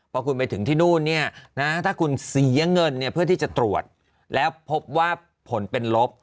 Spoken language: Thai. พอคุณไปถึงที่นู่นเนี่ยนะถ้าคุณเสียเงินเนี่ยเพื่อที่จะตรวจแล้วพบว่าผลเป็นลบ